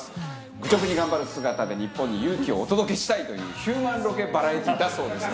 愚直に頑張る姿でニッポンに勇気をお届けしたいというヒューマンロケバラエティだそうです